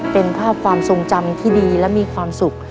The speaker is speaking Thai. เป็นภาพความทรงจำที่ดีและมีความสุข